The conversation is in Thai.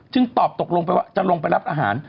ตอบตกลงไปว่าจะลงไปรับอาหาร